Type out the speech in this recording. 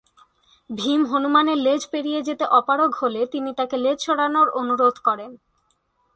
ভীম হনুমানের লেজ পেরিয়ে যেতে অপারগ হলে তিনি তাঁকে লেজ সরানোর অনুরোধ করেন।